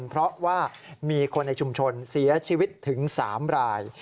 เพราะว่ามีคนในชุมชนเสียชีวิตถึง๓ราย